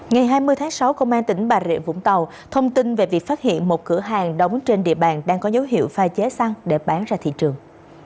ngày hai mươi tháng sáu công an tỉnh bà rịa vũng tàu thông tin về việc phát hiện một cửa hàng đóng trên địa bàn đang có dấu hiệu pha chế xăng để bán ra thị trường